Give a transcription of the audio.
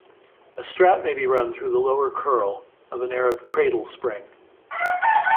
A strap may be run through the lower curl of an Arab cradle spring.